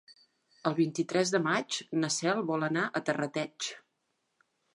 El vint-i-tres de maig na Cel vol anar a Terrateig.